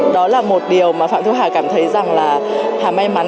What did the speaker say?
đó là một điều mà phạm thu hà cảm thấy rằng là hà may mắn